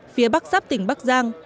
phía bắc giáp tỉnh bắc giang